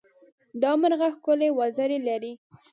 دا مرغه ښکلې وزرې لري.